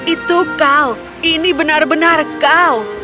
itu kau ini benar benar kau